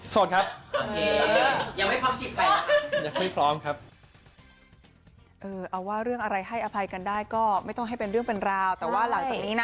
สาวเป็นยังไงตอนนี้มีบ้างไหม